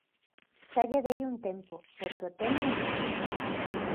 Xa lle dei un tempo porque o tema o merece.